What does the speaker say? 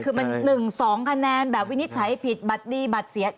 คือมัน๑๒คะแนนแบบวินิจฉัยผิดบัตรดีบัตรเสีย